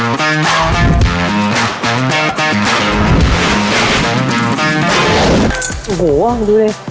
โอ้โหดูเลย